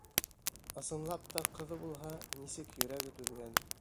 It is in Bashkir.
Ысынлап та ҡыҙы булһа, нисек йөрәге түҙгән.